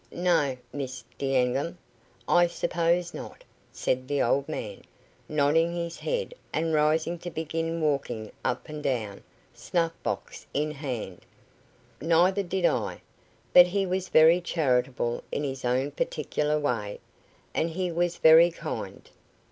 "No, Miss D'Enghien, I suppose not," said the old man, nodding his head and rising to begin walking up and down, snuff box in hand. "Neither did I. But he was very charitable in his own particular way, and he was very kind."